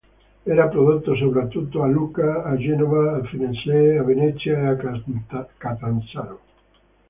Era prodotto soprattutto a Lucca, a Genova, a Firenze, a Venezia e a Catanzaro.